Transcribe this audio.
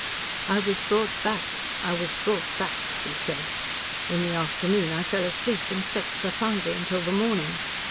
"I was brought back I was brought back," he said. "In the afternoon I fell asleep and slept profoundly until the morning.